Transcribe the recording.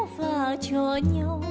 và cho nhau